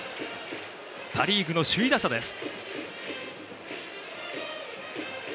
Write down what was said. パ・リーグの首位打者です。